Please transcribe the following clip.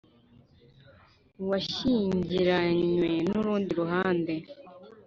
Uwashyingiranywe n urundi ruhande